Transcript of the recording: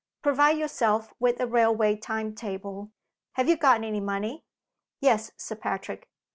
Provide yourself with a railway time table. Have you got any money?" "Yes, Sir Patrick."